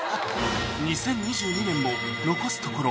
２０２２年も残すところ